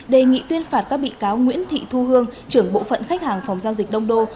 đề nghị tuyên phạt các bị cáo nguyễn thị thu hương trưởng bộ phận khách hàng phòng giao dịch đông đô